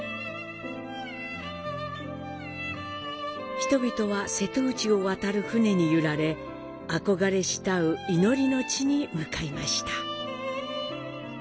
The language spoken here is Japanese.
人々は、瀬戸内を渡る船に揺られ憧れ慕う祈りの地に向かいました。